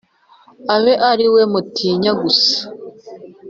abe ari we mutinya gusa